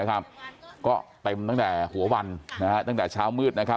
นะครับก็เต็มตั้งแต่หัววันนะฮะตั้งแต่เช้ามืดนะครับ